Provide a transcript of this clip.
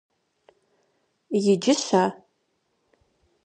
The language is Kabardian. Иджы-щэ?